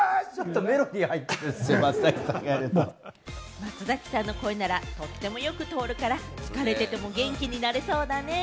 松崎さんの声ならとってもよく通るから、疲れてても元気になれそうだね！